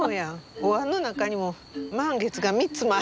お椀の中にも満月が３つもある。